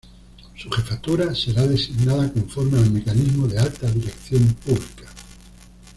Su jefatura será designada conforme al mecanismo de Alta Dirección Pública.